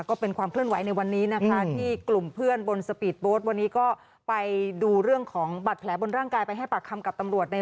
ขอบคุณทุกคนนะครับ